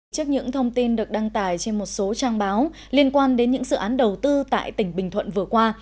trước những thông tin được đăng tải trên một số trang báo liên quan đến những dự án đầu tư tại tỉnh bình thuận vừa qua